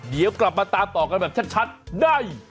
เดี๋ยวกลับมาตามต่อกันแบบชัดได้